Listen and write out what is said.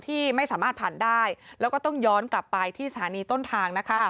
ที่ไม่สามารถผ่านได้แล้วก็ต้องย้อนกลับไปที่สถานีต้นทางนะคะ